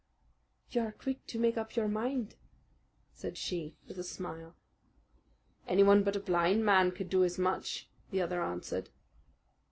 "You are quick to make up your mind," said she with a smile. "Anyone but a blind man could do as much," the other answered.